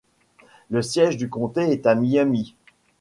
Le siège du comté est Miami.